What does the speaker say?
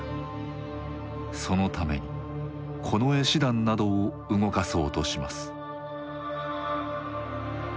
そのために近衛師団などを動かそうとします。